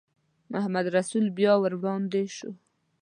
محمدرسول بیا ور وړاندې شو.